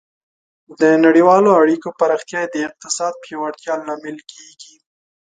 د نړیوالو اړیکو پراختیا د اقتصاد پیاوړتیا لامل کیږي.